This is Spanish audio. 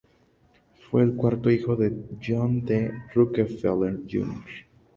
Fue el cuarto hijo de John D. Rockefeller Jr.